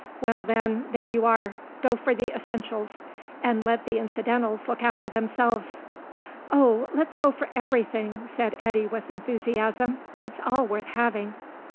Well, then, there you are; go for the essentials, and let the incidentals look after themselves." "Oh, let's go for everything," said Eddy with enthusiasm. "It's all worth having."